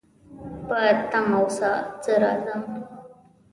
په تمه اوسه، زه راځم